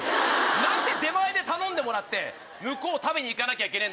何で出前で頼んで向こう食べに行かなきゃいけねえんだよ。